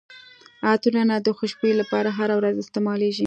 عطرونه د خوشبويي لپاره هره ورځ استعمالیږي.